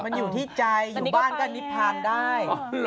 มันอยู่ที่ใจอยู่บ้านก็นิพพานได้